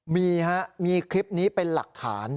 มีฮะมีคลิปนี้เป็นหลักฐาน